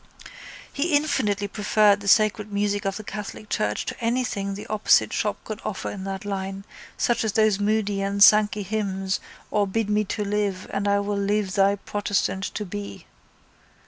He infinitely preferred the sacred music of the catholic church to anything the opposite shop could offer in that line such as those Moody and Sankey hymns or Bid me to live and I will live thy protestant to be.